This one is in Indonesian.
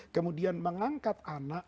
kemudian mengangkat anak